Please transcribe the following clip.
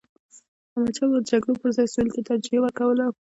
احمدشاه بابا د جګړو پر ځای سولي ته ترجیح ورکوله.